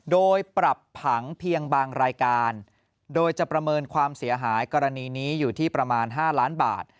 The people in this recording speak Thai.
โดยปรับผังเพียงบางรายการโดยจะประเมินความเสียหายกรณีนี้อยู่ที่ประมาณ๕ล้านบาท